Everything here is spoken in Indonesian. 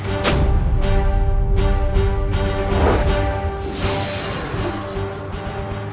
kenapa aku tidak bisa mengikuti gerakannya